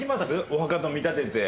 お墓と見立てて。